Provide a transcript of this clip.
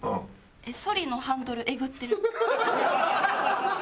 そりのハンドルえぐってる。